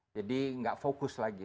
jadi gak fokus lagi